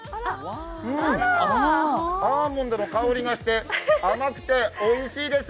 アーモンドの香りがして甘くておいしいです。